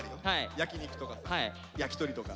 焼き肉とかさ焼き鳥とか。